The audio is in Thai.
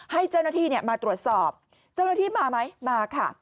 ให้เจ้าหน้าที่มาตรวจสอบเจ้าหน้าที่มาไหมมาค่ะ